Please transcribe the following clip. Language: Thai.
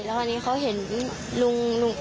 แล้วคราวนี้เขาเห็นลุง